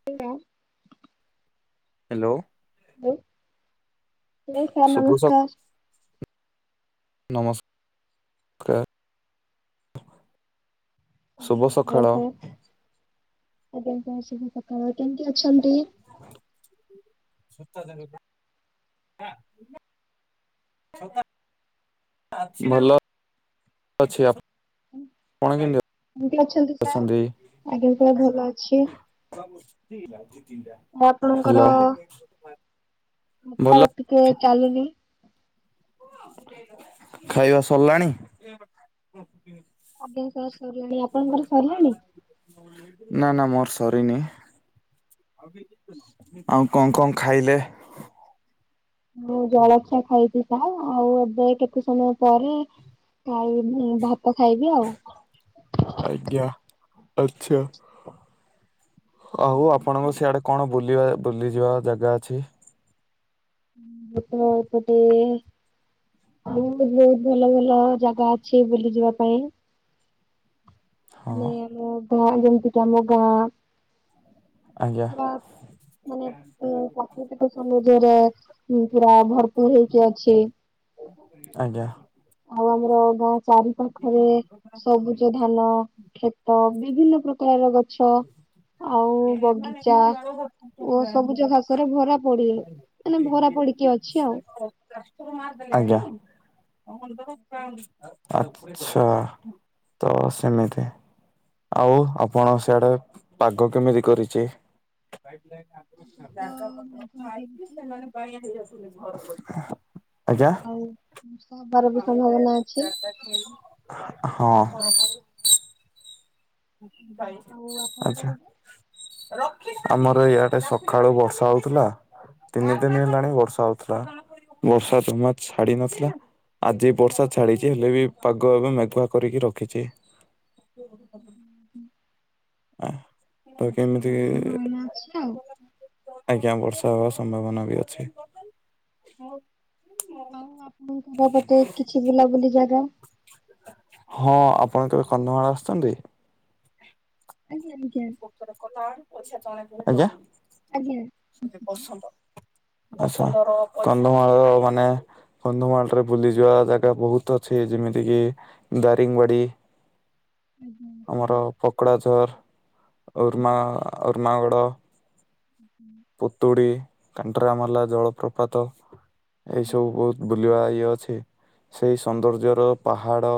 [inaudible] Hello. ହଉ sir ଶୁଭ ନମସ୍କାର। ନମସ୍ ସ୍କାର। ଶୁଭ ସକାଳ ସାର ଆଜ୍ଞା ଶୁଭ ସକାଳ କେମିତି ଅଛନ୍ତି? ସୁତା ଦେଲୁ ନା ନା ଭଲ ଅଛି ଆପ ଣ କେମିତି କେମିତି ଅଛନ୍ତି ସାର୍ ଆଜ୍ଞା ପୁରା ଭଲ ଅଛି। ସବୁଛି ଠ ମୁଁ ଆପଣଙ୍କର ଭଲ ମଥା ଟିକିଏ କ୍ୟାଲେରୀ ଖାଇବା ସଲାଣି। ଆଜ୍ଞା ସାର୍ ସରିଲାଣି ଆପଣଙ୍କର ସରିଲାଣି। ନା ନା ମୋର ସରିନି। ଆଉ କଣ କଣ ଖାଇଲେ? ମୁଁ ଜଳଖିଆ ଖାଇଛି ସାର ଆଉ ଏବେ କେତେ ସମୟ ପରେ। ଖାଇବି ମୁଁ ଭାତ ଖାଇବି ଆଉ। ଆଜ୍ଞା ଆଛା। ଆଉ ଆପଣଙ୍କ ସିଆଡେ କଣ ବୁଲିବା ବୁଲିଯିବା ଜାଗା ଅଛି। ଅପଣ ଏପଟେ। ବହୁତୁ ବହୁତ ଭଲ ଭଲ ଜାଗା ଅଛି ବୁଲି ଯିବା ପାଇଁ। ହଁ ମାନେ ମୁଁ [unintelligible] ଯେମିତିକ ଆମ ଗାଁ। ଆଜ୍ଞା ବା ମାନେ ଉଁ ପ୍ରାକୃତିକ ସମଜରେ। ପୁରା ଭରପୁର ହେଇକି ଅଛି। ଆଜ୍ଞା ଆଉ ଆମର ଗାଁ ଚାରି ପାଖରେ ସବୁଜ ଧାନ ଖେ ତ ବିଭିନ୍ନ ପ୍ରକାରର ଗ ଗଛ ଆଉ ବଗିଚା ଓ ସବୁଜ ଘାସରେ ଭରା ପଡି ରହି ମାନେ ଭରା ପଡିକି ଅଛି ଆଉ। ଆଜ୍ଞା। ଆଛା ତ ସେମିତି। ଆଉ ଆପଣ ସିଆଡେ ପାଗ କେମିତି କରିଛି? [inaudible] ତ ମେଘୁଆ କରିଛି ଆଉ ବର୍ଷା ହବାର ବି ସମ୍ଭାବନା ଅଛି। ହଁ। ଆଉ ଆପଣଙ୍କ ଆଚ୍ଛା। ପଟେ? ଆମର ଇଆଟେ ସଖାଳୁ ବର୍ଷା ହଉଥିଲା। ତିନି ଦିନି ହେଲାଣି ବର୍ଷା ହଉଥିଲା ବର୍ଷା ଜମା ଛାଡି ନଥିଲା। ଆଜି ବର୍ଷା ଛାଡ଼ିଚି ହେଲେ ବି ପାଗ ଏବେ ମେଘୁଆ କରିକି ରଖିଚି। ତ ବର୍ଷା କେମିତି ହବାର ସମ୍ଭାବନା ଅଛି ଆଉ। ଆଜ୍ଞା ବର୍ଷା ହବା ସମ୍ଭାବନା ବି ଅଛି। ଆଉ ଆପଣଙ୍କ [unintelligible] ପଟେ କିଛି ବୁଲାବୁଲି ଜାଗା। ହଁ ଆପଣ କେବେ କନ୍ଧମାଳ ଆସିଛନ୍ତି? ଆଜ୍ଞା ଆଜ୍ଞା। [unintelligible] ପଛେ ତଳେ ଥିଲେ। ଆଜ୍ଞା ଆଜ୍ଞା। ପସନ୍ଦ ପସନ୍ଦ ର। କନ୍ଧମାଳ ମାନେ କନ୍ଧମାଳରେ ବୁଲିଯିବା ଜାଗା ବହୁତ୍ ଅଛି ଯେମିତିକି ଦାରିଙ୍ଗ୍ ବାଡ଼ି- ହ ଆମର ପକଡା ଝର୍- ଉର୍ମା, ଆଜ୍ଞା ଉର୍ମାଗଡ। [inaudible] ପୁତୁଡ଼ି, କାଣ୍ଡରାମଲା ଜଳପ୍ରପାତ ଏସବୁ ବହୁତ୍। ବୁଲିବା ଇଏ ଅଛି ସେଇ ସୌନ୍ଦର୍ଯ୍ୟର ପାହାଡ଼।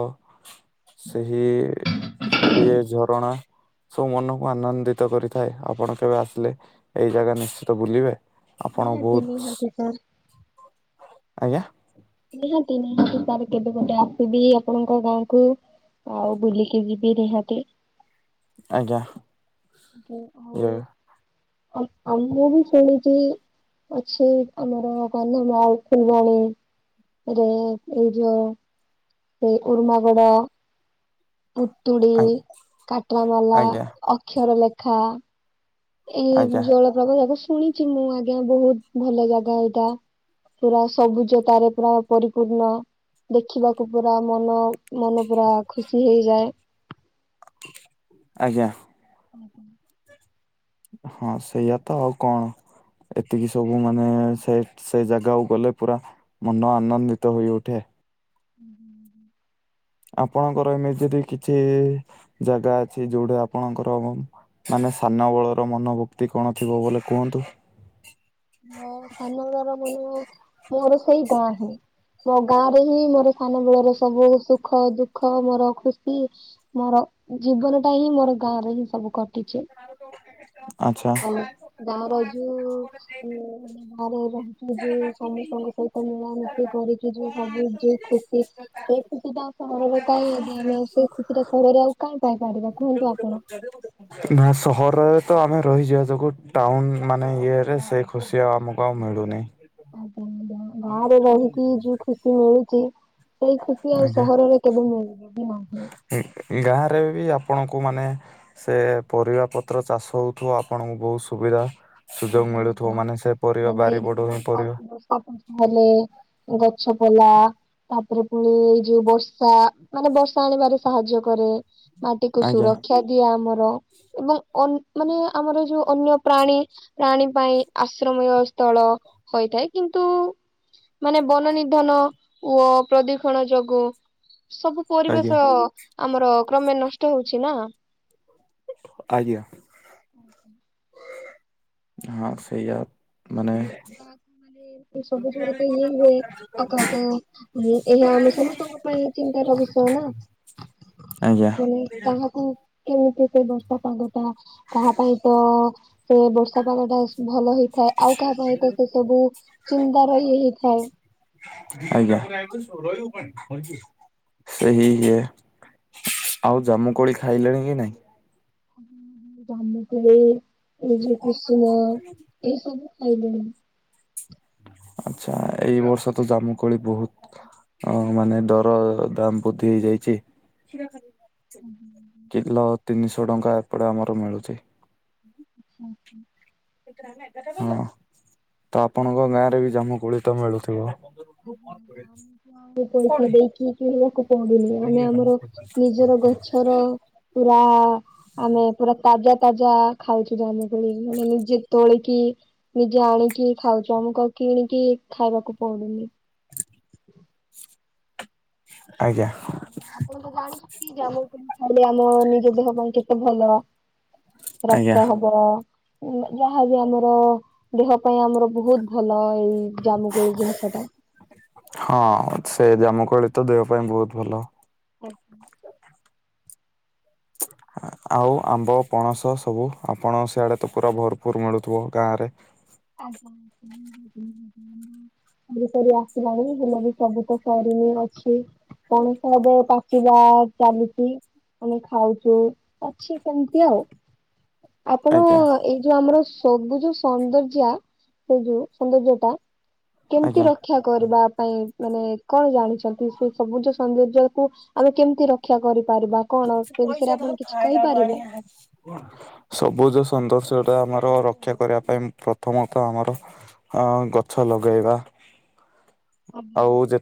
ସେହି ଇଏ ଝରଣା ସବୁ ମନ- ମୁଁ ଆନନ୍ଦିତ କରିଥାଏ ଆପଣ କେବେ ଆସିଲେ ଏଇ ଜାଗା ନିଶ୍ଚିତ ବୁଲିବେ। ଆପଣ ନିହାତି ବହୁତ ନିହାତି ସାର୍ ଆଜ୍ଞା। ନିହାତି ନାହାତି, ତା, ର କେବେ ଗୋଟେ ଆସିବି ଆପଣଙ୍କ ଗାଁକୁ। ଆଉ ବୁଲିକି ଯିବି ନିହାତି। ଆଜ୍ଞା। [unintelligible] ଇଏ ଆଉ ମୁଁ ବି ଶୁଣିଚି। ଅଛି ଆମର କନ୍ଧମାଳ, ଫୁଲବାଣୀ, ରେ ଏଇ ଯୋଉଁ ସେ ଉର୍ମାଗଡା। ପୁତୁଡ଼ି, ଆ- କାଠୁଆମଲା, ଆଜ୍ଞା ଅକ୍ଷର ଲେଖା। ଏହି ଆଜ୍ଞା ଜଳପ୍ରକପ ଶୁଣିଥିଲେ, ମୁଁ ଆଜ୍ଞା, ବହୁତ ଭଲ ଜାଗା ଏଇଟା। ପୁରା ସବୁ ଜୋତା ରେ ପୁରା ପରିପୂର୍ଣ୍ଣ। ଦେଖିବାକୁ ପୁରା ମନ, ମନ ପୁରା ଖୁସି ହେଇଯାଏ। ଆଜ୍ଞା। ଉଁ, ହୁଁ। ହଁ ସେଇଆ ତ, ଆଉ କଣ? ଏତିକି ସବୁ ମାନେ, ସେ ସେ ଜାଗାକୁ ଗଲେ ପୁରା। ମନ ଆନନ୍ଦିତ ହୋଇଉଠେ। ଉଁ ହୁଁ ଉଁ ହୁଁ। ଆପଣଙ୍କର ଏମିତି ଯଦି କିଛି ଜାଗା ଅଛି, ଯୋଉଟା ଆପଣଙ୍କର ମାନେ ସାନ ବଳର ମନଭୁକ୍ତି କଣ ଥିବ ବୋଲି କୁହନ୍ତୁ? ମୋର ସାନଘର ବୁଲିବ, ମୋର ସେଇ ଗାଁ ହିଁ। ମୋ ଗାଁରେ ହିଁ ମୋର ସାନବେଳର ସବୁ ସୁଖଦୁଃଖ, ମୋର ଖୁସି। ମୋର ଜୀବନ ଟା ହିଁ ମୋର ଗାଁରେ ହିଁ ସବୁ କଟିଛି। ଆଚ୍ଛା। ଆଉ ଗାଁର ଯୋଉଁ [unintelligible] ବାହାରେ ରହିକି, ଯୋଉ ସମସ୍ତଙ୍କ ସହିତ ମିଳାମିଶି କରିକି, ଯୋଉଁ ସବୁ ଯୋଉ ଖୁସି ସେ ଖୁସିଟା ଆଉ ସହରରେ କାଇହିଁ ଆଜ୍ଞା? ଆମେ ସେ ଖୁସି ଟା ସହରରେ ଆଉ କାଇହିଁ ପାଇପାରିବା, କୁହନ୍ତୁ ଆପଣ? ଏବେ କୋଉଠି ଅଛନ୍ତି? ନା ସହରରେ ତ ଆମେ ରହିଯିବା ଯୋଗୁଁ, ଟାଉନ ମାନେ ଇଏରେ, ସେ ଖୁସି ଆଉ ଆମକୁ ଆଉ ମିଳୁନହିଁ। ଆଜ୍ଞା ଆଜ୍ଞା, ଗାଁରେ ରହିକି ଯୋଉ ଖୁସି ମିଳୁଚି। ସେଇ ଖୁସି ଆଉ ଆଜ୍ଞା ସହରରେ କେବେ ମିଳିବନି ନାହିଁ? ଗାଁରେ ବି ଆପଣଙ୍କୁ ମାନେ- ସେ ପରିବା ପତ୍ର ଚାଷ ହଉଥିବ ଆପଣଙ୍କୁ ବହୁତ ସୁବିଧା- ସୁଯୋଗ ଆଜ୍ଞା ମିଳୁଥିବ ଆଜ୍ଞା। ମାନେ ସେ ପରିବା ମାନେ ଏଇ ଯୋଉ ବାରିପଟ ହିଁ ପରିବା। [unintelligible] ହେଲେ ଗଛ ପଇଲା। ତାପରେ ପୁଣି ଏଇ ଯୋଉ ବର୍ଷା ମାନେ ବର୍ଷା ଆଣିବାରେ ସାହାଯ୍ୟ କରେ। ମାଟିକୁ ଆଜ୍ଞା ସୁରକ୍ଷା ଦିଏ ଆମର ଏବଂ ମାନେ ଆମର ଯୋଉ ଅନ୍ୟ ପ୍ରାଣୀ। ପ୍ରାଣୀ ପାଇଁ ଆଶ୍ରମୀୟ ସ୍ଥଳ ହୋଇଥାଏ କିନ୍ତୁ- ମାନେ ବନ ନିଧନ ଓ ପ୍ରଦୂଷଣ ଯୋଗୁଁ ସବୁ ଆଜ୍ଞା ପରିବେଶ- ଆମର କ୍ରମେ ନଷ୍ଟ ହଉଛି ନା। ଆଜ୍ଞା। ହଁ ସେଇ ଆ। ମାନେ- ସବୁ ଜରେ ତ ଇଏ ହୁଏ। ଆ କକୁ ଏହା ଆମେ ସମସ୍ତଙ୍କ ପାଇଁ। ଚିନ୍ତାର ବିଷୟ ନା ଆଜ୍ଞା ମାନେ କାହାକୁ- କେମିତି ସେ ବର୍ଷା ପାଗ ଟା କାହା ପାଇଁ ତ ସେ ବର୍ଷା ପାଗ ଟା- ଭଲ ହେଇଥାଏ ଆଉ କାହା ପାଇଁ ତ ସେ ସବୁ ଚିନ୍ତା ରହିି ହେଇଥାଏ। ଆଜ୍ଞା। ସେହି ହିଏ ଆଉ ଜାମୁକୋଳି ଖାଇଲେଣି କି ନାଇଁ? ଜାମୁକୋଳି ଏବେ କୁସୁମ ଏଇସବୁ ଖାଇଲେ- ଆଚ୍ଛା ଏଇ ବର୍ଷ ତ ଜାମୁମୋଳି ବହୁତ। ହଁ ମାନେ ଦର ଦାମ ବୃଦ୍ଧି ହେଇଯାଇଛି। କିଲୋ ତିନିଶହ ଟଙ୍କା ଏପଟେ ଆମର ମିଳୁଛି। [inaudible] ହଁ ତ ଆପଣଙ୍କ ଗାଁରେ ବି ଜାମୁକୋଳି ତ ମିଳୁଥିବ। ଖୁବ ଆଜ୍ଞା ମନେ ପଡୁଛି। ପଇସା ଦେଇକି କିଣିବାକୁ ପଡୁନି ଆମେ ଆମର ନିଜର ଗଛର। ପୁରା- ଆମେ ପୁରା ତାଜା ତାଜା ଖାଉଛୁ ଯା ହେଲେ ତୋଳିକି ମାନେ ନିଜେ ତୋଳିକି। ନିଜେ ଆଣିକି ଖାଉଛୁ। ଆମକୁ କିଣିକି ଖାଇବାକୁ ପଡୁନି। ଆଜ୍ଞା। ଆଉ ଆପଣ ତ ଜାଣି ଯ ଖାଲି ଆମ ନିଜ ଦେହ ପାଇଁ କେତେ ଭଲ। ଆଜ୍ଞା ରାସ୍ତା ହବ। ଯାହାବି ଆମର ଦେହ ପାଇଁ ଆମର ବହୁତ ଭଲ ଏଇ ଜାମୁ କୋଳି ଏ ଜିନିଷ ଟା। ହଁ ସେ ଜାମୁକୋଳି ତ ଦେହ ପାଇଁ ବହୁତ ଭଲ। [unintelligible] ଆଉ ଆମ୍ବ ପଣସ ସବୁ ଆପଣଙ୍କ ସିଆଡେ ତ ପୁରା ଭରପୁର ମିଳୁଥିବ ଗାଁ ରେ। ଆଜ୍ଞା। ସରି ସରି ଆସିଲାଣି ହେଲେ ବି ସବୁ ତ ସରିନି ଅଛି। ପଣସ ଏବେ ପାଚିବା ଚାଲିଛି। ମାନେ ଖାଉଛୁ ଅଛି କେମିତି ଆଉ। ଆପଣ ଆଜ୍ଞା ଏଇ ଯୋଉ ଆମର ସବୁ ଯୋଉ ସୌନ୍ଦର୍ଯ୍ୟ। ସେ ଯୋଉ ସୌନ୍ଦର୍ଯ୍ୟଟା କେମିତି ଆଜ୍ଞା ରଖ- ରକ୍ଷା କରିବା ପାଇଁ ମାନେ କଣ ଜାଣିଛନ୍ତି ସେ ସବୁଜ ସୌନ୍ଦର୍ଯ୍ୟକୁ। ଆମେ କେମିତି ରକ୍ଷା କରିପାରିବା? କଣ ସେ ବିଷୟରେ ପଇସା ତ ଆପଣ କିଛି ଭୟ ଲାଗେ କହିପାରିବେ? ଆଣି ଭାରି। ସବୁଜ ସୌନ୍ଦଶ୍ର୍ୟଟା ଆମର ରକ୍ଷା କରିବା ପାଇଁ ପ୍ରଥମତଃ ଆମର ଆଁ ଗଛ ଲଗେଇବା ଆଜ୍ଞା। ଆଉ ଯେ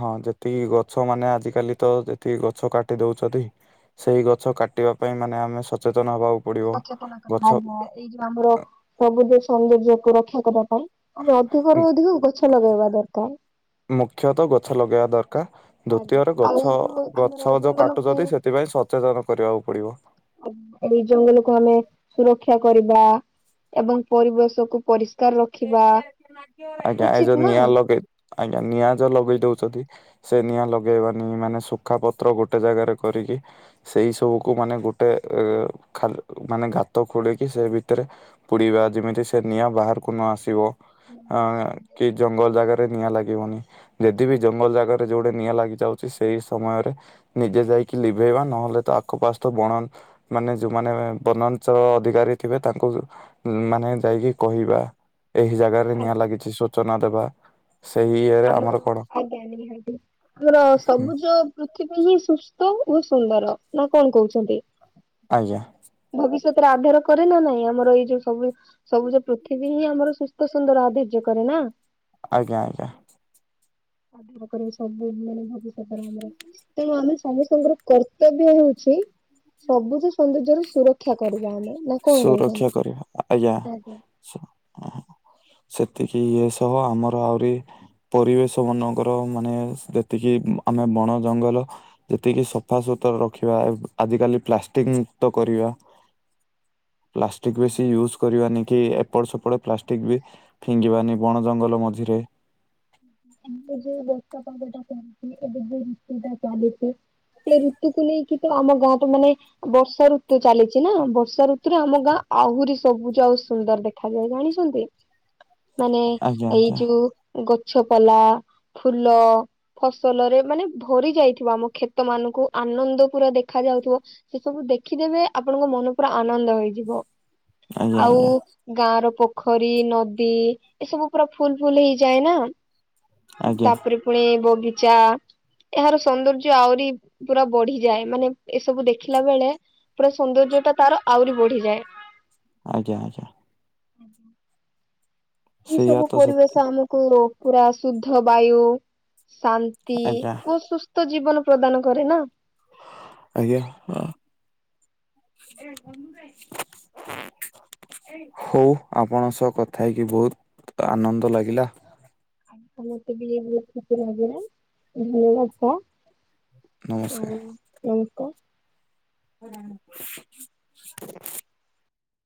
ହଁ ଯେ ଏତି ଗଛ ମାନେ ଆଜିକାଲି ତ ଯେତିକି ଗଛ କାଟି ଦଉଛନ୍ତି ସେଇ ଗଛ କାଟିବା ପାଇଁ ମାନେ ଆମେ ସଚେତନ ହବା ସଚେତନ କରିବା ଏଇ ଯୋଉ ଆମର ସବୁଜ ସୌନ୍ଦର୍ଯ୍ୟ କ ରକ୍ଷା କରିବା ପାଇଁ ଆମେ ଅଧିକ ର ଅଧିକ ଗଛ ଲଗେଇବା ଦରକାର। ମୁଖ୍ୟତଃ ଗଛ ଲଗେଇବା ଦରକାର ଆଜ୍ଞା ଦ୍ଵିତୀୟରେ ଆଉ ଗଛ ଯୋଉ ଆମର ଗଛ ଯୋଉ ଜଙ୍ଗଲକୁ କାଟୁଛନ୍ତି ସେଥିପାଇଁ ସଚେତନ କରିବାକୁ ପଡିବ। ଏଇ ଜଙ୍ଗଲକୁୁ ଆମେ ସୁରକ୍ଷା କରିବା ଏବଂ ପରିବେଶକୁୁ ପରିସ୍ [unintelligible] ଆଜ୍ଞା ଏ ଉଚିତ ଯୋଉ ନା। ନିଆଁ ଲଗେଇ ଆଜ୍ଞା ନିଆଁ ଯୋଉ ଲଗେଇ ଦଉଛନ୍ତି ସେ ନିଆଁ ଲଗେଇବାନି ମାନେ ଶୁଖା ପତ୍ର ଗୋଟେ ଜାଗାରେ କରିକି ସେଇ ସବୁକୁ ମାନେ ଗୋଟେ ଖା ମାନେ ଗାତ ଖୋଳିକି ସେ ଭିତରେ ପୁଡ଼ିବା ଯେମିତି ସେ ନିଆଁ ବାହାର କୁ ନ ଆସିବ ଆଁ କି ଜଙ୍ଗଲ ଜାଗାରେ ନିଆଁ ଲାଗିବନି। ଯଦି ବି ଜଙ୍ଗଲ ଜାଗାରେ ଯଉଟା ନିଆଁ ଲାଗି ଯାଉ ସେଇ ସମୟରେ ନିଜେ ଯାଇକି ଲିଭେଇବା ନହେଲେ ତ ଆଖପାଶତ ବଣ ମାନେ ଯେଉଁମାନେ ବନାଞ୍ଚଳ ଅଧିକାରୀ ଥିବେ ତାଙ୍କୁ ମାନେ ଯାଇକି କହିବା। ଏହି ଜାଗାରେ ନିଆଁ ଲାଗିଛି ସୂଚନା ଦେବା। ସେହି ଏ ଆମର ଆଜ୍ଞା [unintelligible] ଆମର ସବୁଜ ପୃଥିବୀ ହିଁ ସୁସ୍ଥ ଓ ସୁନ୍ଦର ନା କଣ କହୁଛନ୍ତି? ଆଜ୍ଞା। ଭବିଷ୍ୟତରେ ଆଧାର କରେ ନା ନାଇଁ ଆମର ଏଇ ଯୋଉ ସବୁବେଳେ ସବୁଜ ପୃଥିବୀ ହିଁ ଆମର ସୁସ୍ଥ ସୁନ୍ଦର ଆଧର୍ଯ୍ୟ କରେ ନା? ଆଜ୍ଞା ଆଜ୍ଞା। [inaudible] କରିବ ସବୁ ମାନେ ଭବିଷ୍ୟତରେ ଆମର ତେଣୁ ଆମେ ସମସ୍ତଙ୍କର କର୍ତ୍ତବ୍ୟ ହଉଛି ସବୁଜ ସୌନ୍ଦର୍ଯ୍ୟ ର ସୁରକ୍ଷା କରିବା ଆମେ ନା କଣ କହୁଛନ୍ତି? ସୁରକ୍ଷା କରିବା ଆଜ୍ଞା ସୁ ସେତିକି ଏ ସହ ଆମର ଆହୁରି ପରିବେଶ ମାନଙ୍କର ମାନେ ଯେତିକି ଆମେ ବଣ ଜଙ୍ଗଲ ଯେତିକି ସଫା ସୁୁତୁରା ରଖିବା ଆଜିକାଲି ପ୍ଲାଷ୍ଟିକ୍ ତ କରିବା ପ୍ଲାଷ୍ଟିକ ବେଶୀ ୟୁଜ କରିବାନି କି ଏପଟ ସେପଟ ପ୍ଲାଷ୍ଟିକ୍ ବି ଫିଙ୍ଗିବାନି ବଣ ଜଙ୍ଗଲ ମଝିରେ। ଏବେ ଯୋଉ ବର୍ଷା ପାଗଟା ଚାଲିଛି ଏବେ ଯୋଉ ଋତୁଟା ଚାଲିଛି। ସେଇ ଋତୁକୁୁ ନେଇକି ତ ଆମ ଗାଁ ଟା ମାନେ ବର୍ଷା ଋତୁ ଚାଲିଛି ନା ବର୍ଷା ଋତୁରେ ଆମ ଗାଁ ଆହୁରି ସବୁଜ ଆଉ ସୁନ୍ଦର ଦେଖ ଖାଯାଏ ଜାଣିଛନ୍ତି ମାନେ ଆଜ୍ଞା ଏଇ ଆଜ୍ଞା ଯୋଉ ଗଛ ପଲା ଫୁଲ। ଫସଲରେ ମାନେ ଭରି ଯାଇଥିବା ଆମ କ୍ଷେତ ମାନଙ୍କୁ ଆନନ୍ଦ ପୁରା ଦେଖା ଯାଉଥିବ ସେ ସବୁ ଦେଖିଦେବେ ଆପଣଙ୍କ ମନ ପୁରା ଆନନ୍ଦ ହେଇଯିବ ଆଜ୍ଞା ଆଉ ଆଜ୍ଞା ଗାଁ ର ପୋଖରୀ ନଦୀ ଏସବୁ ପୁରା ଫୁଲ ଫୁଲ ହେଇଯାଏ ନା। ଆଜ୍ଞା ତାପରେ ପୁଣି ବଗିଚା। ଏହାର ସୌନ୍ଦର୍ଯ୍ୟ ଆହୁରି ପୁରା ବଢିଯାଏ ମାନେ ଏସବୁ ଦେଖିଲା ବେଳେ ପୁରା ସୌନ୍ଦର୍ଯ୍ୟ ଟା ତାର ଆହୁରି ବଢିଯାଏ। ଆଜ୍ଞା, ଆଜ୍ଞା। ସେଇଆ ଏଇସବୁ ତ ସେ ପରିବେଶ ଆମକୁ ପୁରା ଶୁଦ୍ଧ ବାୟୁ ଶାନ୍ତ୍ ନ୍ତି ଆଜ୍ଞା ଓ ସୁସ୍ଥ ଜୀବନ ପ୍ରଦାନ କରେ ନା? ଆଜ୍ଞା ହଁ। [unintelligible] ହଉ ଆପଣଙ୍କ ସହ କଥା ହେଇକି ବହୁତ ଆନନ୍ଦ ଲାଗିଲା। [unintelligible] ନମସ୍କାର। ଆଉ ନମସ୍କାର। [inaudible]